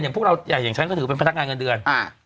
พวกเราอย่างฉันก็ถือเป็นพนักงานเงินเดือน